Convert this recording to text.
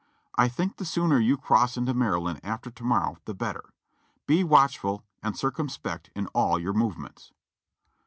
"I think the sooner you cross into Maryland after to niorrozv the better. "Be watchful and circumspect in all your movements." (Reb. Records, Vol. 27, p.